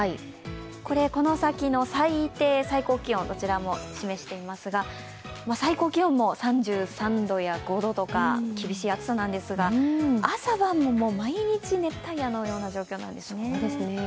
これこの先の最低、最高気温どちらも示していますが最高気温も３３度や３５度とか厳しい暑さなんですが朝晩も毎日熱帯夜のような状況なんですね。